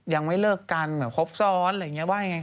ยังไม่เลิกกันแบบครบซ้อนอะไรอย่างนี้ว่ายังไง